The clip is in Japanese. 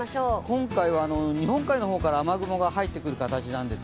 今回は日本海の方から雨雲が入ってくる形です。